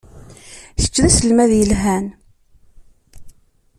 Kečč d aselmad yelhan.